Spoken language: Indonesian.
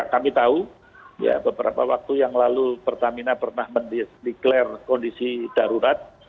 kami tahu beberapa waktu yang lalu pertamina pernah mendeklarasi kondisi darurat